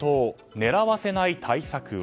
狙わせない対策は？